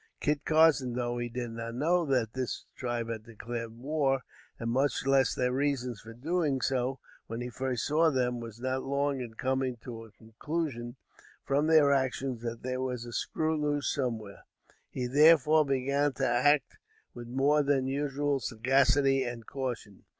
Kit Carson, though he did not know that this tribe had declared war, and much less their reasons for so doing, when he first saw them, was not long in coming to a conclusion, from their actions, that there was a screw loose somewhere. He, therefore, began to act with more than usual sagacity and caution.